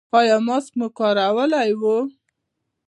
ایا ماسک مو کارولی و؟